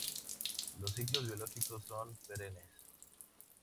Los ciclos biológicos son perennes.